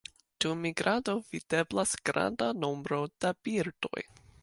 Dum migrado videblas granda nombro da birdoj.